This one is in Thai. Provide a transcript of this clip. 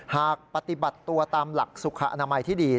หากปฏิบัติตัวตามหลักสุขอนามัยที่ดี